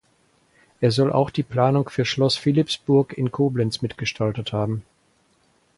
Er soll auch die Planung für Schloss Philippsburg in Koblenz mitgestaltet haben.